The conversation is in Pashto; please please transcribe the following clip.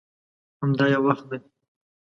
همدا یې وخت دی.